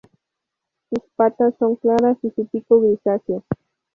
Sus patas son claras y su pico grisáceo.